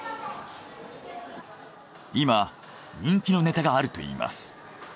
今人気のネタがあるといいます。